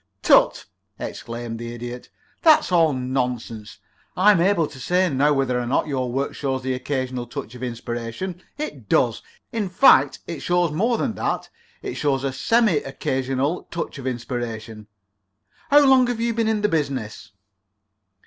"Tut!" exclaimed the Idiot. "That's all nonsense. I am able to say now whether or not your work shows the occasional touch of inspiration. It does. In fact, it shows more than that. It shows a semi occasional touch of inspiration. How long have you been in the business?"